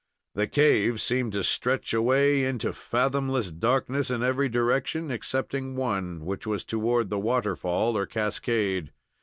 The cave seemed to stretch away into fathomless darkness in every direction, excepting one, which was toward the waterfall or cascade.